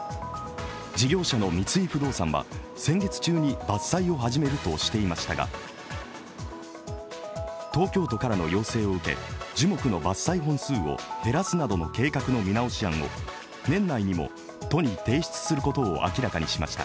事業者の三井不動産は、先月中に伐採を始めるとしていましたが、東京都からの要請を受け、樹木の伐採本数を減らすなどの計画の見直し案を年内にも都に提出することを明らかにしました。